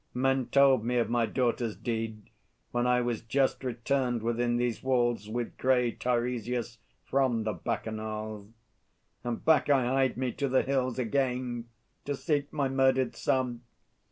Men told me of my daughters' deed, When I was just returned within these walls, With grey Teiresias, from the Bacchanals. And back I hied me to the hills again To seek my murdered son.